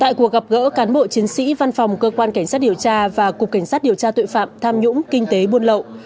tại cuộc gặp gỡ cán bộ chiến sĩ văn phòng cơ quan cảnh sát điều tra và cục cảnh sát điều tra tội phạm tham nhũng kinh tế buôn lậu